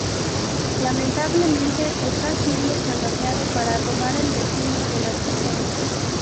Lamentablemente está siendo chantajeado para robar el destino de las personas.